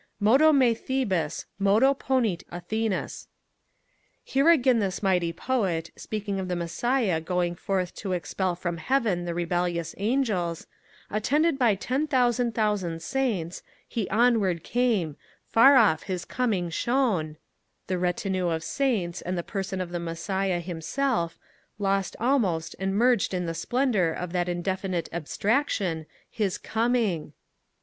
Modo me Thebis, modo ponit Athenis. Hear again this mighty Poet, speaking of the Messiah going forth to expel from heaven the rebellious angels, Attended by ten thousand thousand Saints He onward came: far off his coming shone, the retinue of Saints, and the Person of the Messiah himself, lost almost and merged in the splendour of that indefinite abstraction 'His coming!'